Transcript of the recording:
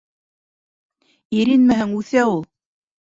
— Иренмәһәң, үҫә ул!